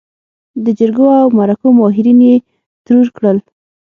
د جرګو او مرکو ماهرين يې ترور کړل.